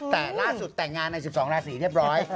แต่ล่าสุดแต่งงานใน๑๒ราศีเรียบร้อย